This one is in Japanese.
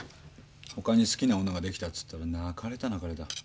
ほかに好きな女ができたって言ったら泣かれた泣かれた。